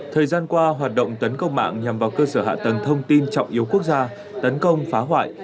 thời gian qua hoạt động tấn công mạng nhằm vào cơ sở hạ tầng thông tin trọng yếu quốc gia tấn công phá hoại